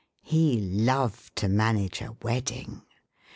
He loved to manage a wedding.